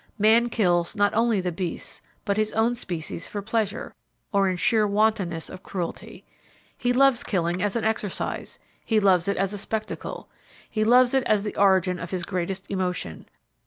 Man kills not only the beasts, but his own species for pleasure, or in sheer wantonness of cruelty. He loves killing as an exercise; he loves it as a spectacle; he loves it as the origin of his greatest emotion.